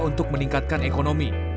untuk meningkatkan ekonomi